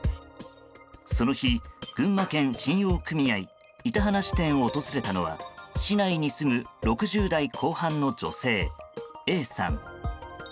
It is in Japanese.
その日、群馬県信用組合板鼻支店を訪れたのは市内に住む６０代後半の女性Ａさん。